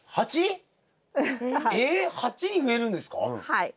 はい。